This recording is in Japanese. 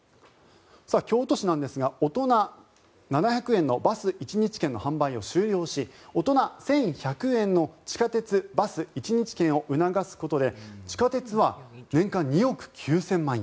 京都市なんですが大人７００円のバス一日券の販売を廃止し大人１１００円の地下鉄・バス一日券を促すことで地下鉄は年間２億９０００万円